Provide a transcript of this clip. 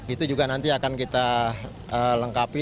itu juga nanti akan kita lengkapi